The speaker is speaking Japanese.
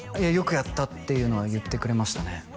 よくやったっていうのは言ってくれましたね